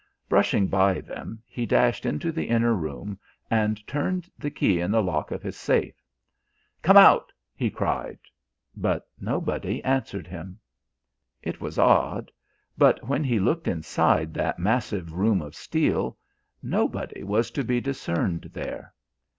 Brushing by them, he dashed into the inner room and turned the key in the lock of his safe. "Come out!" he cried, but nobody answered him. It was odd, but when he looked inside that massive room of steel, nobody was to be discerned there.